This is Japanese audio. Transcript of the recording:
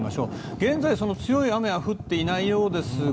現在、強い雨は降っていないようですが